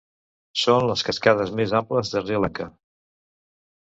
Són les cascades més amples de Sri Lanka.